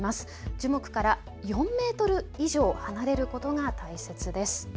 樹木から４メートル以上離れることが大切です。